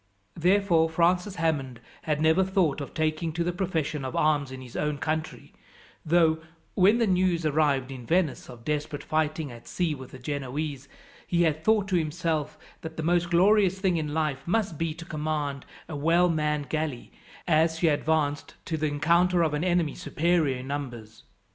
Therefore Francis Hammond had never thought of taking to the profession of arms in his own country; though, when the news arrived in Venice of desperate fighting at sea with the Genoese, he had thought, to himself, that the most glorious thing in life must be to command a well manned galley, as she advanced to the encounter of an enemy superior in numbers.